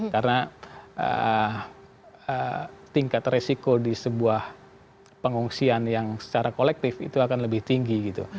karena tingkat resiko di sebuah pengungsian yang secara kolektif itu akan lebih tinggi gitu